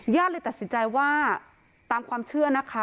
เลยตัดสินใจว่าตามความเชื่อนะคะ